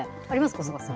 小坂さん。